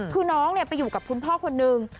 คือน้องไปอยู่กับคุณพ่อคนนึง